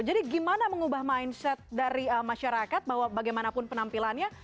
jadi bagaimana mengubah mindset dari masyarakat bahwa bagaimanapun penampilannya